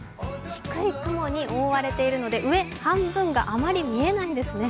低い雲に覆われているので、上半分があまり見えないんですね。